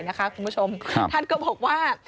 คุณผู้ชมท่านก็บอกว่า